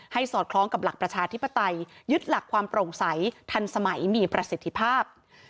สอดคล้องกับหลักประชาธิปไตยยึดหลักความโปร่งใสทันสมัยมีประสิทธิภาพ